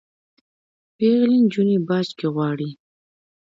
پیغلي نجوني باج کي غواړي